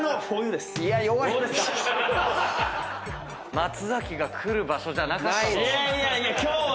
松崎が来る場所じゃなかったかも。